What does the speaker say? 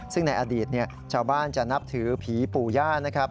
ซึ่งในอดีตชาวบ้านจะนับถือผีปู่ย่านะครับ